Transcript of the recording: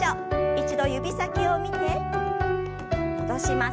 一度指先を見て戻します。